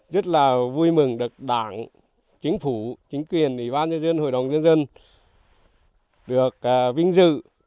rất là vui mừng được đảng chính phủ chính quyền ủy ban nhân dân hội đồng nhân dân được vinh dự